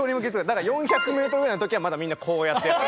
だから４００メートルぐらいの時はまだみんなこうやってやってた。